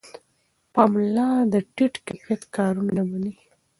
پملا د ټیټ کیفیت کارونه نه مني.